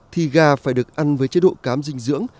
thì gà phải được ăn với chế độ cám dinh dưỡng